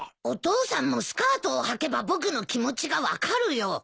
お父さんもスカートをはけば僕の気持ちが分かるよ。